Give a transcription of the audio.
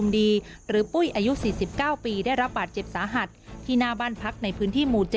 ได้รับบาดเจ็บสาหัสที่หน้าบ้านพักในพื้นที่หมู่๗